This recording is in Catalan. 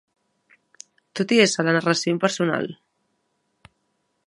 Tot i ésser la narració impersonal